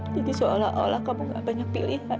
jadi seolah olah kamu gak banyak pilihan